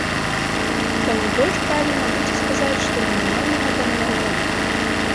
Таму больш правільна будзе сказаць, што мінімальнага памеру няма.